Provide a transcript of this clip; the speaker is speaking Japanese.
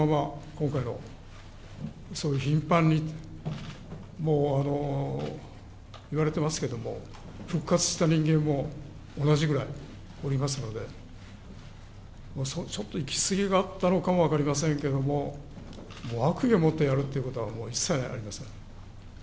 今回の、そういう頻繁に、もう言われてますけども、復活した人間も同じぐらいおりますので、ちょっといきすぎだったのかも分かりませんけれども、悪意を持ってやるということはもう一切ありません。